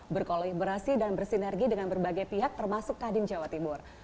berkolaborasi dan bersinergi dengan berbagai pihak termasuk kadin jawa timur